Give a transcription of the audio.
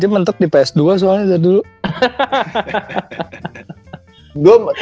dia mentek di ps dua soalnya dari dulu